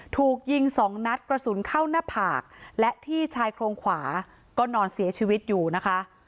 ถูกยิงสองนัดกระสุนเข้าหน้าผากและที่ชายโครงขวาก็นอนเสียชีวิตอยู่นะคะ